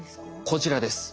こちらです。